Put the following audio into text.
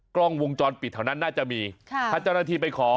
กล้องวงจรปิดแถวนั้นน่าจะมีค่ะถ้าเจ้าหน้าที่ไปขอ